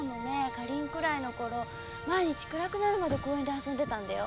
かりんくらいのころ毎日暗くなるまで公園で遊んでたんだよ。